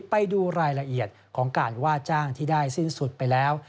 ไปดูรายละเอียดของการว่าจ้างที่ได้สิ้นสุดไปแล้ว